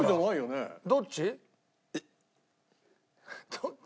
どっち？